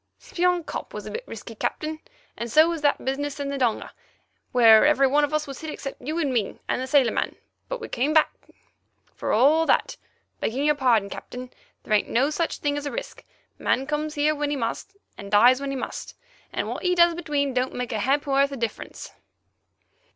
"Spion Kop was a bit risky, Captain, and so was that business in the donga, where every one was hit except you and me and the sailor man, but we came back, for all that. Begging your pardon, Captain, there ain't no such thing as risk. Man comes here when he must, and dies when he must, and what he does between don't make a ha'porth of difference."